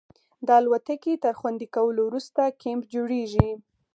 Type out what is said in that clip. د الوتکې تر خوندي کولو وروسته کیمپ جوړیږي